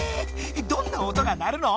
どんな音が鳴るの？